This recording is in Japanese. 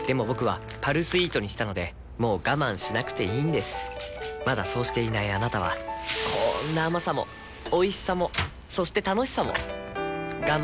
僕は「パルスイート」にしたのでもう我慢しなくていいんですまだそうしていないあなたはこんな甘さもおいしさもそして楽しさもあちっ。